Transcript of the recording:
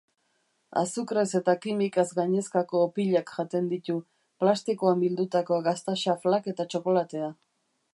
Azukrez eta kimikaz gainezkako opilak jaten ditu, plastikoan bildutako gazta-xaflak eta txokolatea.